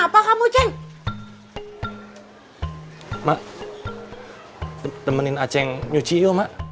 mak temenin aceh nyuci yuk mak